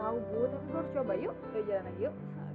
ayo berdiri sama ibu